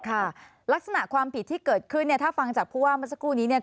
ค่ะลักษณะความผิดที่เกิดขึ้นเนี่ยถ้าฟังจากผู้ว่าเมื่อสักครู่นี้เนี่ย